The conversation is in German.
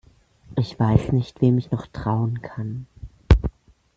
Ich weiß nicht, wem ich noch trauen kann.